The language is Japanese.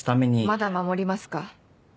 まだ守りますか？